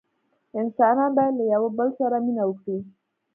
انسانان باید له یوه بل سره مینه وکړي.